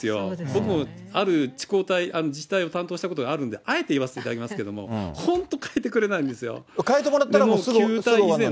僕もある自治体を担当したことがあるんで、あえて言わせていただきますけれども、本当、変えてくれないんですよ。